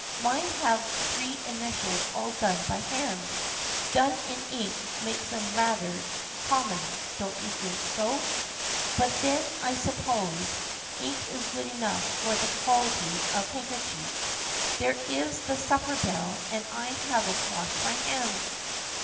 Mine have three initials all done by hand. Done in ink makes them rather common, don't you think so ? But then I suppose THE FRIENDSHIP OF ANNE 63 ink is good enough for this quality of handker chief. There is the supper bell and I haven't washed my hands